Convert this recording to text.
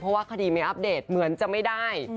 เพราะว่าคดีไม่อัปเดตเหมือนจะไม่ได้